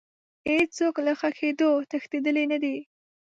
هیڅ څوک له ښخېدو تښتېدلی نه دی.